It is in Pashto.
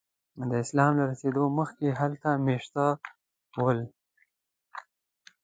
د اسلام له رسېدو مخکې هلته میشته ول.